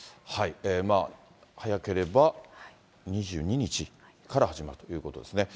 早ければ２２日から始まるということですね。